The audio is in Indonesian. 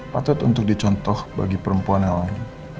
patut untuk dicontoh bagi perempuan yang lain